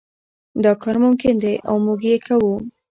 دا کار ممکن دی او موږ یې کوو.